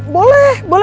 boleh boleh om boleh